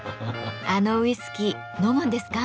あのウイスキー飲むんですか？